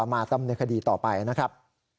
มาตั้มในคดีต่อไปนะครับ